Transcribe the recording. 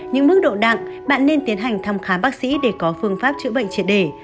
những mức độ nặng bạn nên tiến hành thăm khám bác sĩ để có phương pháp chữa bệnh triệt đề